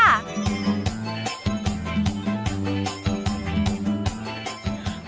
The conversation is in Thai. ไปลุยเลยค่ะ